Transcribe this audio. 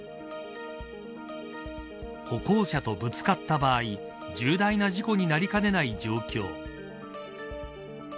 歩行者とぶつかった場合重大な事故になりかねない状況。